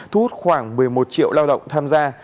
thu hút khoảng một mươi một triệu lao động tham gia